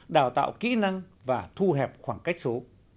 đào tạo kỹ năng và thu hẹp khoảng cách số